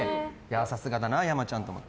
さすがだな、山ちゃんと思って。